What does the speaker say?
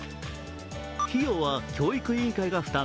費用は教育委員会が負担。